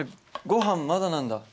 ごはんまだなんだ。